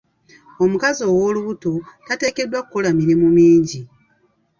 Omukazi ow'olubuto tateekeddwa kukola mirimu mingi.